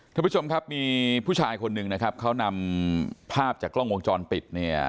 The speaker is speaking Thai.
ทุกผู้ชมครับมีผู้ชายคนนึงเขานำภาพจากกล้องวงจรปิด